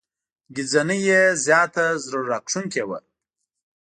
ګهیځنۍ یې زياته زړه راښکونکې وه.